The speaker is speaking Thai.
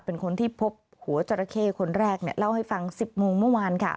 เป็นคนที่พบหัวจราเข้คนแรกเนี่ยเล่าให้ฟัง๑๐โมงเมื่อวานค่ะ